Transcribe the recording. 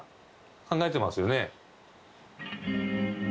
考えてますよね？